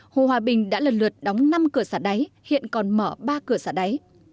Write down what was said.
hồ hòa bình đã lần lượt đóng năm cửa xả đáy hiện còn mở ba cửa xả đáy